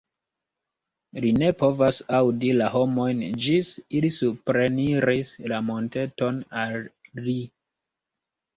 Li ne povas aŭdi la homojn ĝis ili supreniris la monteton al li.